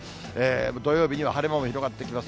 土曜日には晴れ間も広がってきます。